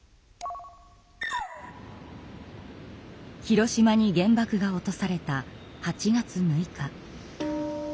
広島に原爆が落とされた８月６日。